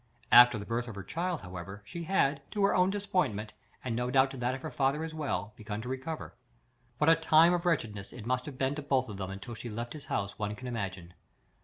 After the birth of her child, however, she had, to her own disappointment, and no doubt to that of her father as well, begun to recover. What a time of wretchedness it must have been to both of them until she left his house, one can imagine.